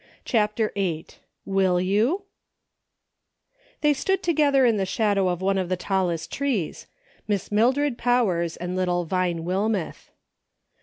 CHAPTER VITl •• WILL voo r* THEY stood together in the shadow of one ' of the tallest trees — Miss Mildred Powers and little Vine Wilmeth.